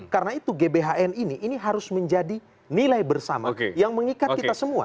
karena itu gbhn ini harus menjadi nilai bersama yang mengikat kita semua